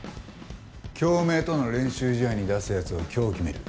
京明との練習試合に出す奴を今日決める。